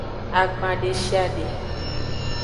Agban deshiade.